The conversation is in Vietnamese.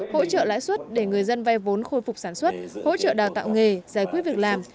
hỗ trợ lãi suất để người dân vay vốn khôi phục sản xuất hỗ trợ đào tạo nghề giải quyết việc làm